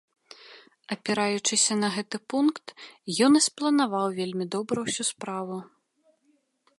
Апіраючыся на гэты пункт, ён і спланаваў вельмі добра ўсю справу.